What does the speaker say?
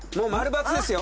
○×ですよ。